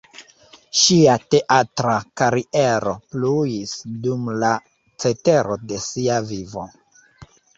Ŝia teatra kariero pluis dum la cetero de sia vivo.